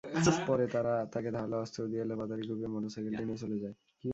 পরে তারা তাঁকে ধারালো অস্ত্র দিয়ে এলোপাতাড়ি কুপিয়ে মোটরসাইকেলটি নিয়ে চলে যায়।